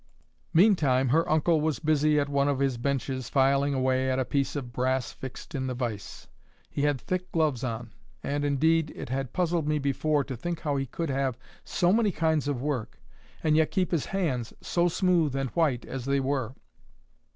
Meantime her uncle was busy at one of his benches filing away at a piece of brass fixed in the vice. He had thick gloves on. And, indeed, it had puzzled me before to think how he could have so many kinds of work, and yet keep his hands so smooth and white as they were.